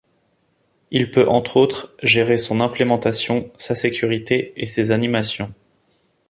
Il peut entre autres gérer son implémentation, sa sécurité et ses animations.